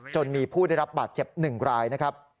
จนมีผู้ได้รับบาดเจ็บ๑รายนะครับ